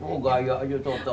oh gaya aja tau tau